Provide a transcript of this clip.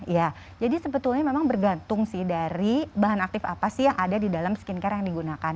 ya jadi sebetulnya memang bergantung sih dari bahan aktif apa sih yang ada di dalam skincare yang digunakan